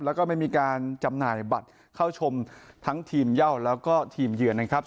แล้วก็ไม่มีการจำหน่ายบัตรเข้าชมทั้งทีมเย่าแล้วก็ทีมเยือนนะครับ